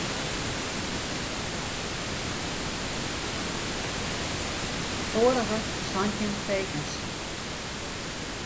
Foarige santjin tekens.